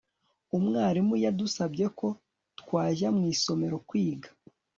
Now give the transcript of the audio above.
umwarimu yadusabye ko twajya mu isomero kwiga